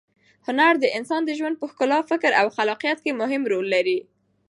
هنر د انسان د ژوند په ښکلا، فکر او خلاقیت کې مهم رول لري.